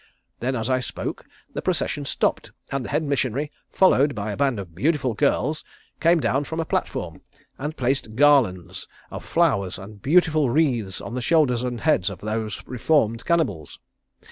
Then as I spoke the procession stopped and the head missionary followed by a band of beautiful girls, came down from a platform and placed garlands of flowers and beautiful wreaths on the shoulders and heads of those reformed cannibals.